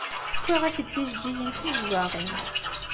Wwiɣ-ak-d tijeǧǧigin d tizeggaɣin.